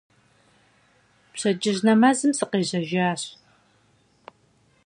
Пщэдджыжь нэмэзым сыкъежьэжащ.